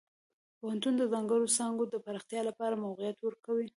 پوهنتون د ځانګړو څانګو د پراختیا لپاره موقعیت ورکوي.